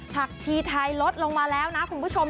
ชีไทยลดลงมาแล้วนะคุณผู้ชม